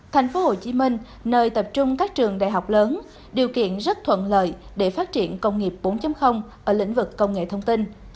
thành phố hồ chí minh nơi tập trung các trường đại học lớn điều kiện rất thuận lợi để phát triển công nghiệp bốn ở lĩnh vực công nghệ thông tin